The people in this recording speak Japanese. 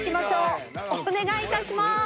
お願い致します！